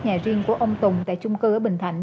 nhà riêng của ông tùng tại chung cư ở bình thạnh